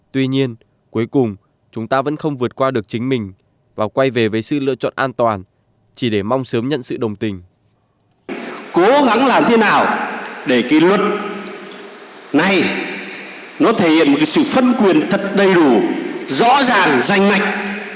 tuy nhiên cuối cùng chúng ta vẫn không vượt qua được chính mình và quay về với sự lựa chọn an toàn chỉ để mong sớm nhận sự đồng tình